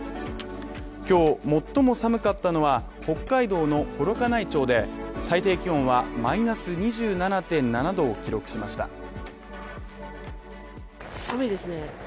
今日最も寒かったのは、北海道の幌加内町で、最低気温はマイナス２７．７度を記録しました。